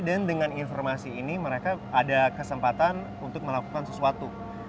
dan dengan informasi ini mereka ada kesempatan untuk melakukan sesuatu